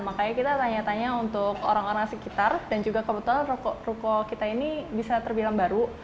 makanya kita tanya tanya untuk orang orang sekitar dan juga kebetulan ruko kita ini bisa terbilang baru